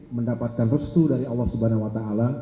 mendapatkan restu dari allah swt